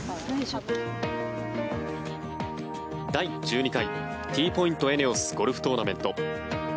第１２回Ｔポイント×ＥＮＥＯＳゴルフトーナメント。